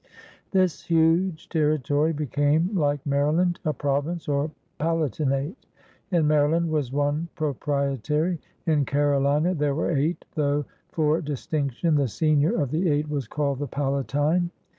This huge territory became, like Maryland, a province or palatinate. In Maryland was one Pro prietary; in Carolina there were eight, though for distinction the senior of the eight was called the Palatine.